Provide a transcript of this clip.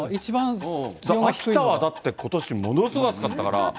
秋田はだって、ことし、ものすごい暑かったから。